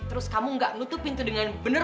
terus kamu gak nutup pintu dengan benar